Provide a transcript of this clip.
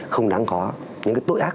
không đáng có những cái tội ác